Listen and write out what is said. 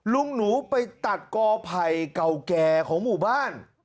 ลุงหนูไปตัดกอไผ่เก่าแก่ของหมู่บ้าน